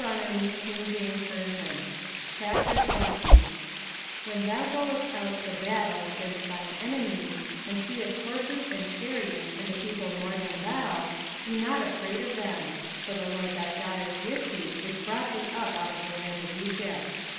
05:020:001 When thou goest out to battle against thine enemies, and seest horses, and chariots, and a people more than thou, be not afraid of them: for the LORD thy God is with thee, which brought thee up out of the land of Egypt.